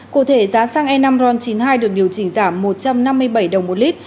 cụ thể giá xăng e năm ron chín mươi hai được điều chỉnh giảm một trăm năm mươi bảy đồng một lít